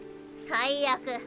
最悪！